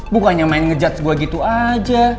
bukannya main ngejudge gue gitu aja